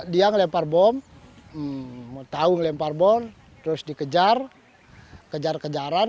dia ngelempar bom mau tahu ngelempar bom terus dikejar kejar kejaran